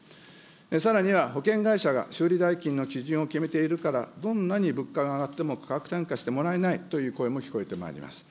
さらには保険会社が修理代金の基準を決めているから、どんなに物価が上がっても価格転嫁してもらえないという声も聞こえてまいります。